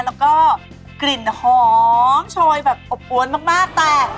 แล้วก็กลิ่นหอมโชยแบบอบอวนมากแต่